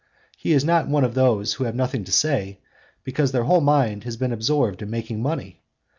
He is not one of those who have nothing to say, because their whole mind has been absorbed in making money.